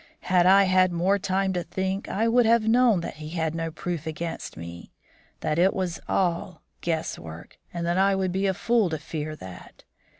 "Had I had more time to think, I would have known that he had no proof against me; that it was all guess work, and that I would be a fool to fear that.